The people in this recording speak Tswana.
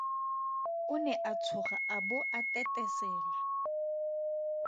O ne a tshoga a bo a tetesela.